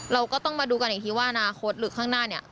เราก็ต้องมาดูกันอีกทีว่าอนาคตหรือข้างหน้าเนี่ย